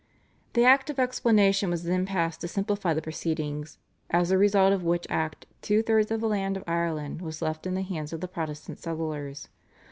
The Act of Explanation was then passed to simplify the proceedings, as a result of which act two thirds of the land of Ireland was left in the hands of the Protestant settlers.